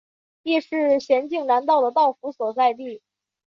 亦是咸镜南道的道府所在地。